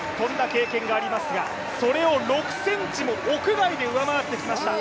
記録がありますがそれを６ｃｍも屋外で上回ってきました。